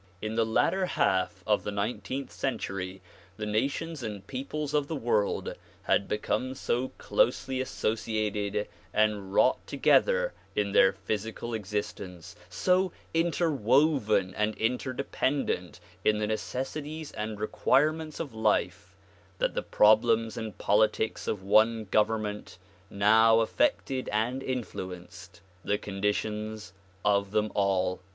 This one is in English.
'' In the latter half of the nineteenth century the nations and peoples of the world had become so closely associated and wrought together in their physical existence, so interwoven and interdepend ent in the necessities and requirements of life that the problems and politics of one government now affected and influenced the conditions of them all.